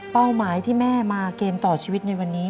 หมายที่แม่มาเกมต่อชีวิตในวันนี้